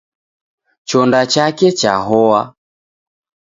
Chonda chake chahoa.